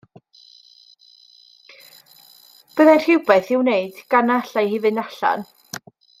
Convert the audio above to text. Byddai'n rhywbeth i'w wneud gan na allai hi fynd allan.